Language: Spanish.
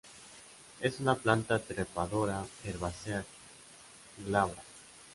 Es una planta trepadora herbácea glabra.